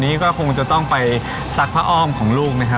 ทุกคนนับพร้อมก่อน